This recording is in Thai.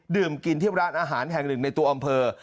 ดื่มกินที่ร้านอาหารแห่งหนึ่งในตัวอำเภอ